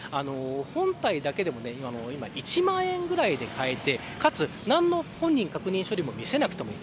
本体だけでも１万円ぐらいで買えてかつ、何の本人確認書類も見せなくていい。